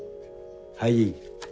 はい。